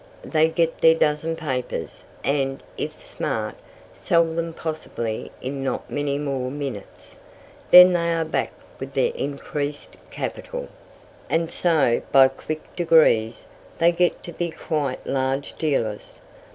They get their dozen papers, and, if smart, sell them possibly in not many more minutes. Then they are back with their increased capital, and so by quick degrees they get to be quite large dealers.